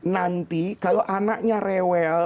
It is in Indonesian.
nanti kalau anaknya rewel